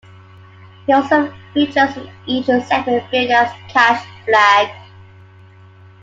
He also features in each segment, billed as Cash Flagg.